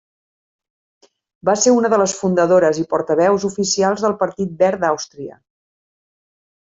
Va ser una de les fundadores i portaveus oficials del Partit Verd d'Àustria.